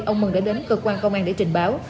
ông mừng đã đến cơ quan công an để trình báo